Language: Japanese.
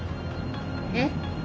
えっ？